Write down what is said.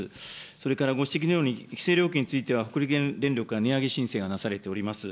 それからご指摘のように、料金については北陸電力から値上げ申請がなされております。